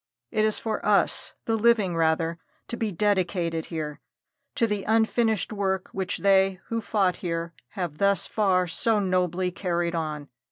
It is for us the living, rather, to be dedicated here to the unfinished work which they who fought here have thus far so nobly carried on.